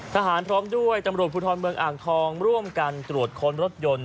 พร้อมด้วยตำรวจภูทรเมืองอ่างทองร่วมกันตรวจค้นรถยนต์